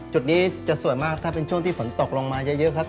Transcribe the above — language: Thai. จุดนี้จะสวยมากถ้าเป็นช่วงที่ฝนตกลงมาเยอะครับ